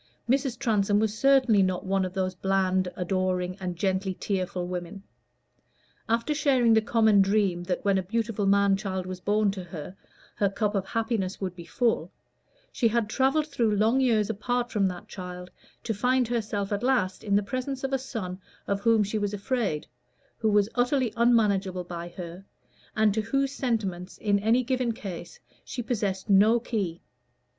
Mrs. Transome was certainly not one of those bland, adoring, and gently tearful women. After sharing the common dream that when a beautiful man child was born to her, her cup of happiness would be full, she had travelled through long years apart from that child to find herself at last in the presence of a son of whom she was afraid, who was utterly unmanageable by her, and to whose sentiments in any given case she possessed no key.